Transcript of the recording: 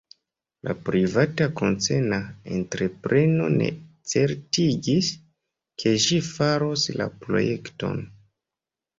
La privata koncerna entrepreno ne certigis, ke ĝi faros la projekton.